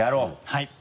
はい。